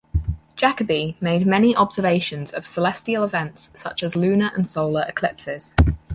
Jacoby made many observations of celestial events such as lunar and solar eclipses.